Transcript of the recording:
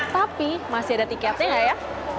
tapi masih ada tiketnya nggak ya